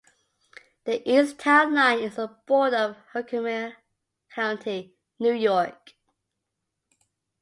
The east town line is the border of Herkimer County, New York.